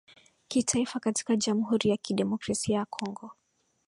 kitaifa katika Jamhuri ya Kidemokrasia ya Kongo